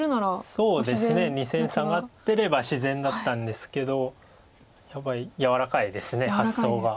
そうですね２線サガってれば自然だったんですけどやっぱり柔らかいです発想が。